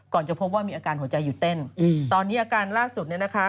จะพบว่ามีอาการหัวใจหยุดเต้นอืมตอนนี้อาการล่าสุดเนี่ยนะคะ